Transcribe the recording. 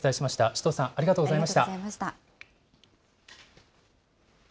首藤さん、ありがとありがとうございました。